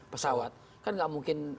pesawat kan tidak mungkin